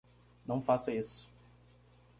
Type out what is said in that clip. Não faça isso!